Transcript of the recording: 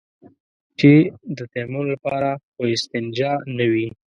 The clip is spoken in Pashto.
چې د تيمم لپاره خو استنجا نه وي.